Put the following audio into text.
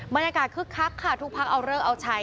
บรรยากาศคึกคักค่ะทุกพักฯเอาเลิกเอาชัย